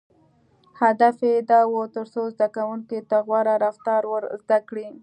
• هدف یې دا و، تر څو زدهکوونکو ته غوره رفتار ور زده کړي.